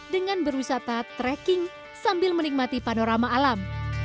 dengan berwisata trekking sambil menikmati panorama alam